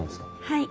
はい。